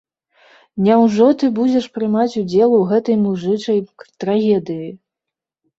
Няўжо ты будзеш прымаць удзел у гэтай мужычай трагедыі?